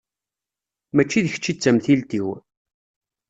Mačči d kečč i d tamtilt-iw.